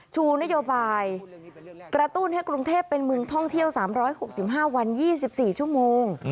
ชูนโยบายกระตุ้นให้กรุงเทพเป็นเมืองท่องเที่ยว๓๖๕วัน๒๔ชั่วโมง